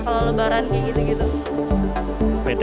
kalau lebaran kayak gitu